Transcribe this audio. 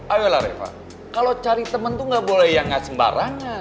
ayolah reva kalau cari temen tuh gak boleh yang gak sembarangan